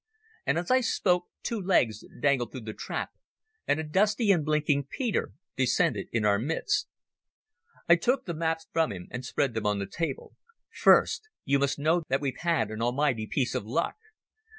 And as I spoke two legs dangled through the trap and a dusty and blinking Peter descended in our midst. I took the maps from him and spread them on the table. "First, you must know that we've had an almighty piece of luck.